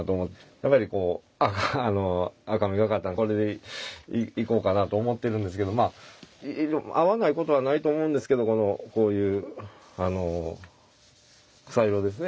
やっぱりこう赤みがかったこれでいこうかなと思ってるんですけどまあ合わないことはないと思うんですけどこういう草色ですね。